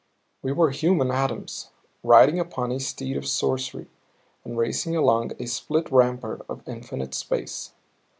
We were human atoms, riding upon a steed of sorcery and racing along a split rampart of infinite space.